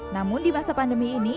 namun di masa pandemi ini